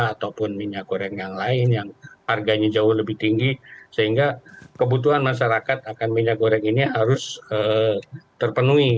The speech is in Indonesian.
ataupun minyak goreng yang lain yang harganya jauh lebih tinggi sehingga kebutuhan masyarakat akan minyak goreng ini harus terpenuhi